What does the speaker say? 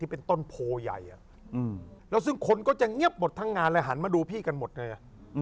เป็นต้นโพใหญ่แล้วซึ่งคนก็จะเงียบหมดทั้งงานเลยหันมาดูพี่กันหมดเลยอ่ะ